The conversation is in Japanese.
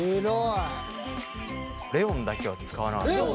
レオンだけは使わなかったよね。